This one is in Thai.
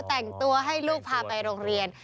แต่งตัวให้ลูกพาไปโรงเรียน